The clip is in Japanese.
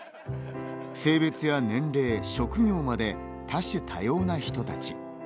性別や年齢職業まで多種多様な人たち。